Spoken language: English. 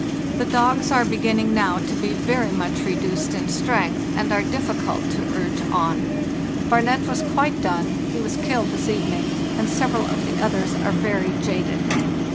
The dogs are begin ning now to be very much reduced in strength and are difficult to urge on. 'Barnet' was quite done (he was killed this evening), and several of the others are very jaded.